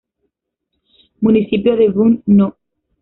Municipio de Boone No.